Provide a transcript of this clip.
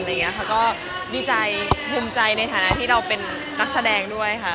เขาก็ดีใจภูมิใจในฐานะที่เราเป็นนักแสดงด้วยค่ะ